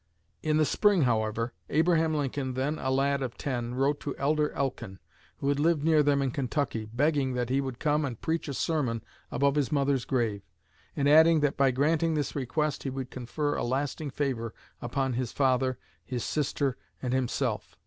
In the spring, however, Abraham Lincoln, then a lad of ten, wrote to Elder Elkin, who had lived near them in Kentucky, begging that he would come and preach a sermon above his mother's grave, and adding that by granting this request he would confer a lasting favor upon his father, his sister, and himself.